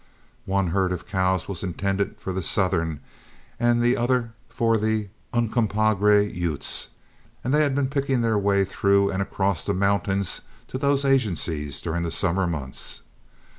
One herd of cows was intended for the Southern and the other for the Uncompahgre Utes, and they had been picking their way through and across the mountains to those agencies during the summer mouths.